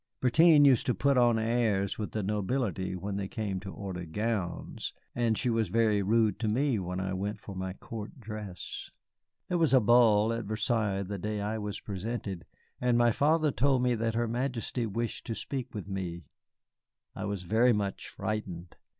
Bertin used to put on airs with the nobility when they came to order gowns, and she was very rude to me when I went for my court dress. There was a ball at Versailles the day I was presented, and my father told me that her Majesty wished to speak with me. I was very much frightened.